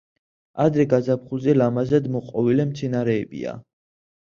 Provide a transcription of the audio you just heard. ადრე გაზაფხულზე ლამაზად მოყვავილე მცენარეებია.